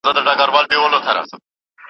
تل یې غوښي وي